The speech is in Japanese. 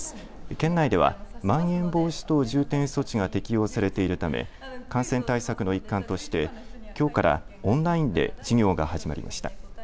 県内ではまん延防止等重点措置が適用されているため感染対策の一環としてきょうからオンラインで授業が始まりました。